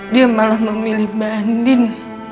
dia malah memilih bandin